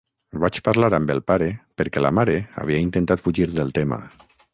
Vaig parlar amb el pare, perquè la mare havia intentat fugir del tema.